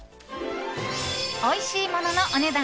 おいしいもののお値段